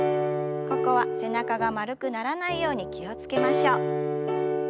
ここは背中が丸くならないように気を付けましょう。